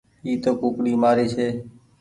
اي تو ڪوڪڙي مآري ڇي۔